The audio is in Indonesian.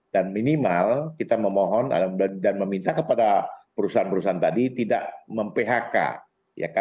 dan minimal kita memohon dan meminta kepada perusahaan perusahaan tadi tidak mem phk